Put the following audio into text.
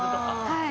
はい。